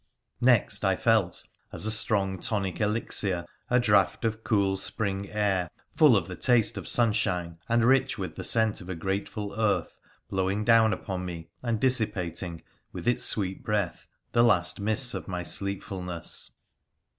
Next I felt, as a strong tonic elixir, a draught of cool spring air, full of the taste of sunshine and rich with the scent of a grateful earth, blowing down upon me and dissipating, with its sweet breath, the last mists of my sleepfulness.